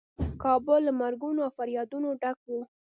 کابل له مرګونو او فریادونو ډک و.